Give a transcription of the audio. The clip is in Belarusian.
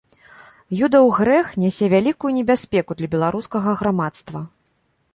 Юдаў грэх нясе вялікую небяспеку для беларускага грамадства.